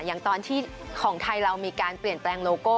อย่างตอนที่ของไทยเรามีการเปลี่ยนแปลงโลโก้